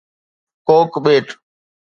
ڪوڪ ڀيٽ